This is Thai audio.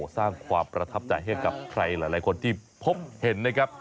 สร้างความประทับใจให้กับใครหลายคนที่พบเห็นนะครับ